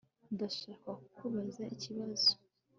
Ndashaka kukubaza ikibazo